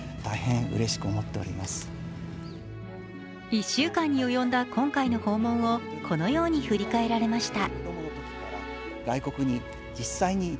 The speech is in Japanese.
１週間に及んだ今回の訪問をこのように振りかえられました。